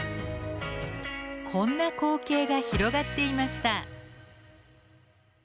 こんな光景が広がっていました。